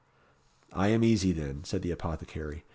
"I am easy, then," said the apothecary.